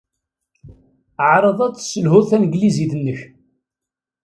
Ɛreḍ ad tesselhuḍ tanglizit-nnek.